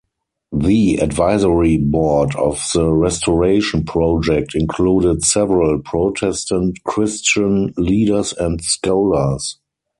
The advisory board of the restoration project included several Protestant Christian leaders and scholars.